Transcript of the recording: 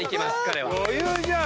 余裕じゃん。